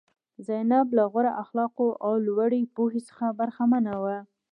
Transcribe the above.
زینب له غوره اخلاقو او لوړې پوهې څخه برخمنه وه.